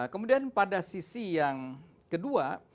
kemudian pada sisi yang kedua